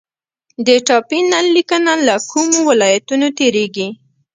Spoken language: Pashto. د ټاپي نل لیکه له کومو ولایتونو تیریږي؟